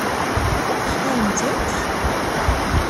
Textaṛemt-tt?